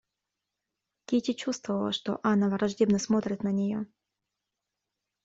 Кити чувствовала, что Анна враждебно смотрит на нее.